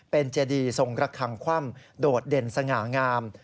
เป็นเจดีทรงระคังคว่ำโดดเด่นสง่างาม